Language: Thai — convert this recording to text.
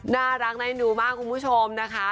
น่ารักในหนูมากคุณผู้ชมนะคะ